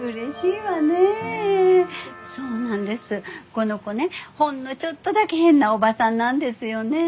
この子ねほんのちょっとだけ変なおばさんなんですよねぇ。